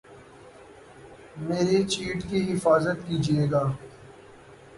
میری چیٹ کی حفاظت کیجئے گا